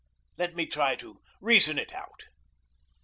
Let me try to reason it out!